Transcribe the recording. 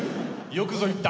よくぞ言った！